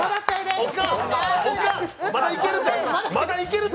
まだいけるて！